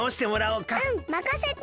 うんまかせて。